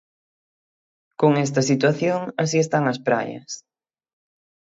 Con esta situación, así están as praias.